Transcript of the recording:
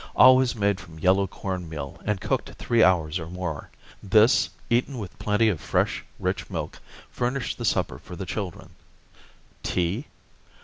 always made from yellow corn meal and cooked three hours or more. This, eaten with plenty of fresh, rich milk, furnished the supper for the children. Tea?